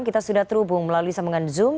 kita sudah terhubung melalui sambungan zoom